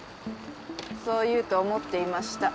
そう言うと思っていました。